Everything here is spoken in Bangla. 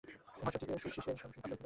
ভয়ে শচীশের সর্বশরীর কাঁপিয়া উঠিল।